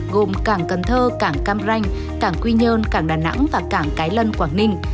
gồm cảng cần thơ cảng cam ranh cảng quy nhơn cảng đà nẵng và cảng cái lân quảng ninh